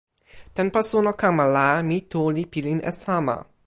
tenpo suno kama la mi tu li pilin e sama.